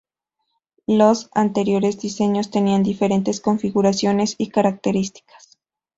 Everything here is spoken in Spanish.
Los anteriores diseños tenían diferentes configuraciones y características.